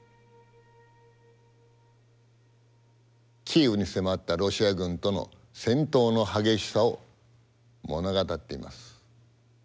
キーウに迫ったロシア軍との戦闘の激しさを物語っています。